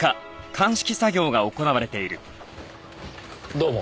どうも。